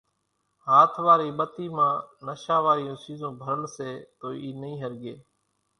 ھاٿ واري ٻتي مان نشا واريون سيزون ڀرل سي تو اِي نئي ۿرڳي،